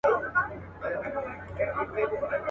چي « غلي انقلاب » ته یې زلمي هوښیاروله.